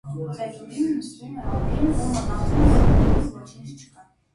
Ծերունին նստում է ափին ու մտածում, որ ուտելու ոչինչ չկա։